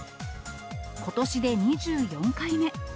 ことしで２４回目。